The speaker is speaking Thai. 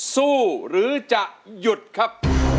สู้ครับ